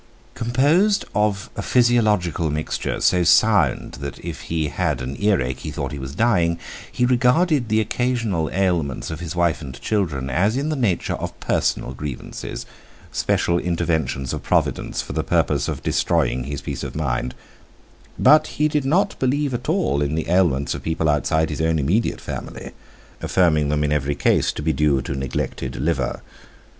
Composed of a physiological mixture so sound that if he had an earache he thought he was dying, he regarded the occasional ailments of his wife and children as in the nature of personal grievances, special interventions of Providence for the purpose of destroying his peace of mind; but he did not believe at all in the ailments of people outside his own immediate family, affirming them in every case to be due to neglected liver.